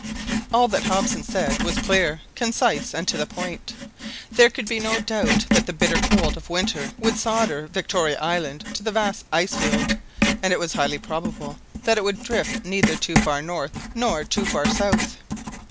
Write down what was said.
All that Hobson said was clear, concise, and to the point. There could be no doubt that the bitter cold of winter would solder Victoria Island to the vast ice field, and it was highly probable that it would drift neither too far north nor too far eouth.